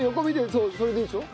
そうそれでいいでしょ？